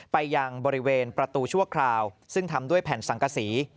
ไปยังบริเวณประตูชั่วคราวซึ่งทำด้วยแผ่นสังกษี